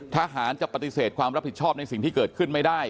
ทหารจะปฏิเสธความรับผิดชอบในสิ่งที่เกิดขึ้นไม่ได้